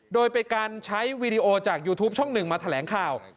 โดยเป็นการใช้วีดีโอจากยูทูปช่องหนึ่งมาแถลงข่าว